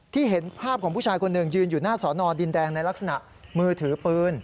เห็นภาพของผู้ชายคนหนึ่งยืนอยู่หน้าสอนอดินแดงในลักษณะมือถือปืน